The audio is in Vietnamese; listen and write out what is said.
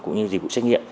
cũng như dịch vụ xét nghiệm